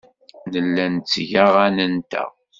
Nella netteg aɣan-nteɣ.